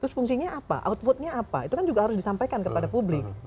terus fungsinya apa outputnya apa itu kan juga harus disampaikan kepada publik